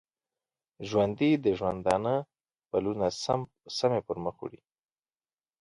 ژوندي د ژوندانه پلونه سمی پرمخ وړي